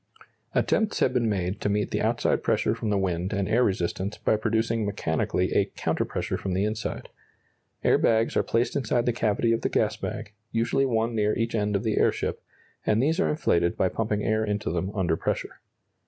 Attempts have been made to meet the outside pressure from the wind and air resistance by producing mechanically a counter pressure from the inside. Air bags are placed inside the cavity of the gas bag, usually one near each end of the airship, and these are inflated by pumping air into them under pressure.